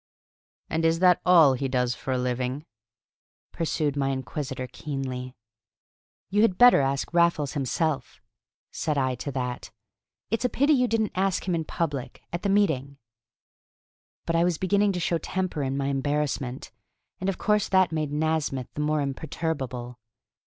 "And is that all he does for a living?" pursued my inquisitor keenly. "You had better ask Raffles himself," said I to that. "It's a pity you didn't ask him in public, at the meeting!" But I was beginning to show temper in my embarrassment, and of course that made Nasmyth the more imperturbable.